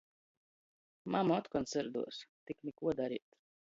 Mama otkon syrduos, tik nikuo dareit.